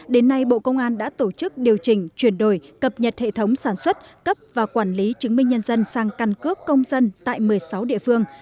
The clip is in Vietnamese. đến nay bộ công an đã tổ chức điều chỉnh chuyển đổi cập nhật hệ thống sản xuất cấp và quản lý chứng minh nhân dân sang căn cước công dân tại một mươi sáu địa phương